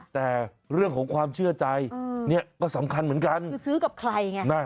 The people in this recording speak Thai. แต่เรื่องของความเชื่อใจเนี่ยก็สำคัญเหมือนกันคือซื้อกับใครไง